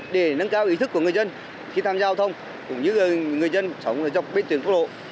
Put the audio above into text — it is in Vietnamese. để nâng cao ý thức của người dân khi tham gia giao thông cũng như người dân sống dọc bên tuyến quốc lộ